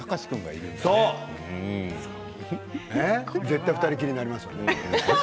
絶対２人きりになりますよね。